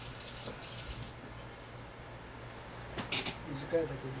短いだけに。